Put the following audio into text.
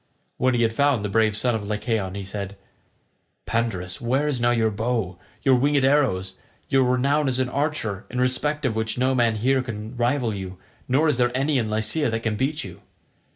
When he had found the brave son of Lycaon he said, "Pandarus, where is now your bow, your winged arrows, and your renown as an archer, in respect of which no man here can rival you nor is there any in Lycia that can beat you?